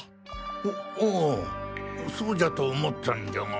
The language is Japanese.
ああぁそうじゃと思ったんじゃが。